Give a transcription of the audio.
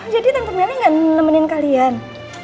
jadi tante meli nggak nemenin kalian